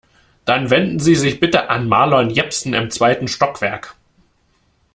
Dann wenden Sie sich bitte an Marlon Jepsen im zweiten Stockwerk.